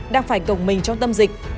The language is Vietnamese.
đang phải gồng mình trong tâm dịch